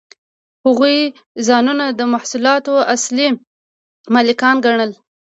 هغوی ځانونه د محصولاتو اصلي مالکان ګڼل